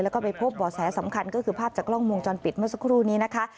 แล้วก็ไปพบบ่อแสสำคัญก็คือภาพจากกล้องวงจรปิดเมื่อสักครู่นี้นะคะ